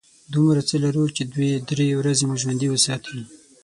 دومره څه لرو چې دوې – درې ورځې مو ژوندي وساتي.